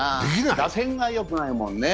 打線がよくないもんね。